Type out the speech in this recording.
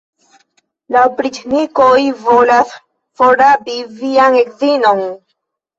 La opriĉnikoj volas forrabi vian edzinon!